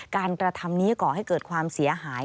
กระทำนี้ก่อให้เกิดความเสียหาย